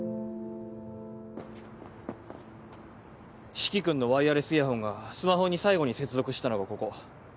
四鬼君のワイヤレスイヤホンがスマホに最後に接続したのがここ。